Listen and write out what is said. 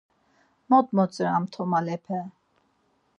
Mot motziram tomalepe!